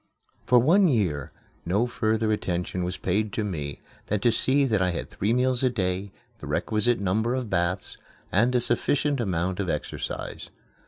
For one year no further attention was paid to me than to see that I had three meals a day, the requisite number of baths, and a sufficient amount of exercise.